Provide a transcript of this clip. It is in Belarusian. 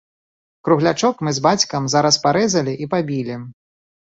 Круглячок мы з бацькам зараз парэзалі і пабілі.